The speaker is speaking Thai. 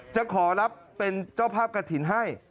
จะขอรับเป็นเจ้าภาพกระถิ่นให้